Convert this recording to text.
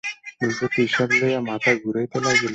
ভূপতি হিসাব লইয়া মাথা ঘুরাইতে লাগিল।